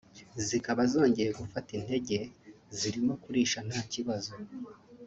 zikaba zongeye gufata intege zirimo kurisha nta kibazo